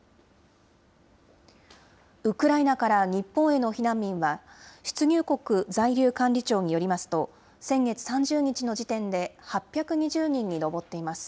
ウクライナから日本への避難民は、出入国在留管理庁によりますと、先月３０日の時点で８２０人に上っています。